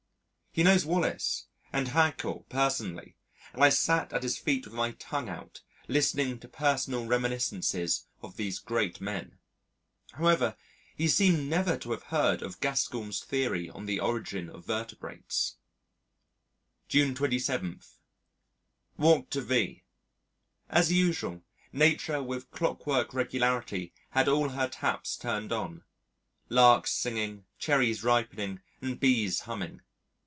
He knows Wallace and Haeckel personally, and I sat at his feet with my tongue out listening to personal reminiscences of these great men. However, he seemed never to have heard of Gaskell's Theory on the Origin of Vertebrates. June 27. Walked to V . As usual, Nature with clockwork regularity had all her taps turned on larks singing, cherries ripening, and bees humming.